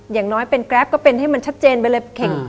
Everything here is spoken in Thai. อย่างน้อยเป็นแกรปก็เป็นให้มันชัดเจนไปเลย